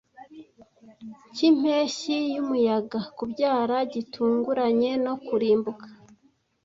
Nkimpeshyi-yumuyaga, kubyara gitunguranye no kurimbuka,